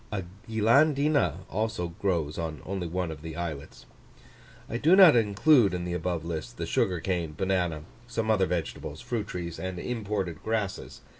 A Guilandina also grows on only one of the islets. I do not include in the above list the sugar cane, banana, some other vegetables, fruit trees, and imported grasses.